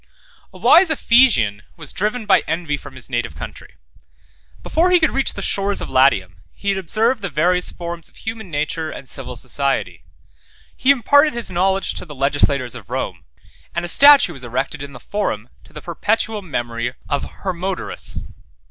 1211 A wise Ephesian was driven by envy from his native country: before he could reach the shores of Latium, he had observed the various forms of human nature and civil society: he imparted his knowledge to the legislators of Rome, and a statue was erected in the forum to the perpetual memory of Hermodorus.